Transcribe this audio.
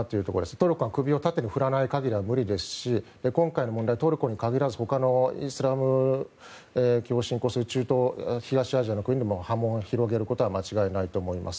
トルコが首を縦に振らない限りは無理ですし今回の問題、トルコに限らず他のイスラム教東アジアの国も波紋を広げることは間違いないと思います。